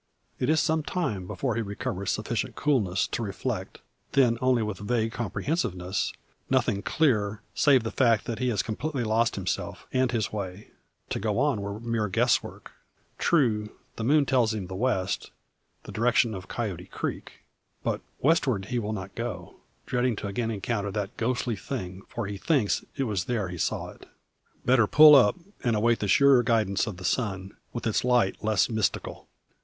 It is some time before he recovers sufficient coolness to reflect then only with vague comprehensiveness; nothing clear save the fact that he has completely lost himself, and his way. To go on were mere guesswork. True, the moon tells him the west, the direction of Coyote creek. But westward he will not go, dreading to again encounter that ghostly thing; for he thinks it was there he saw it. Better pull up, and await the surer guidance of the sun, with its light, less mystical.